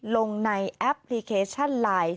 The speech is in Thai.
ลงในแอปพลิเคชันไลน์